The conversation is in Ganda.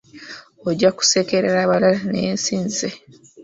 Ojja kusekerera abalala naye si nze.